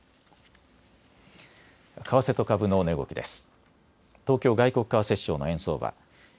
為替と株の値動きです。